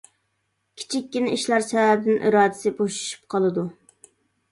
كىچىككىنە ئىشلار سەۋەبىدىن ئىرادىسى بوشىشىپ قالىدۇ.